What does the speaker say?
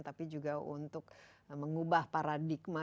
tapi juga untuk mengubah paradigma